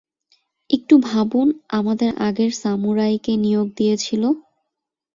একটু ভাবুন, আমাদের আগের সামুরাই কে নিয়োগ দিয়েছিল?